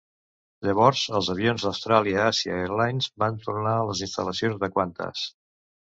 Llavors, els avions d'Australia Asia Airline van tornar a les instal·lacions de Qantas.